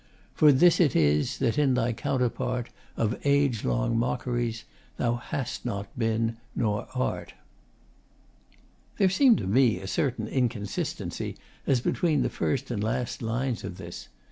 For this it is That in thy counterpart Of age long mockeries Thou hast not been nor art! There seemed to me a certain inconsistency as between the first and last lines of this.